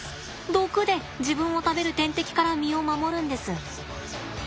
毒で自分を食べる天敵から身を守るんです。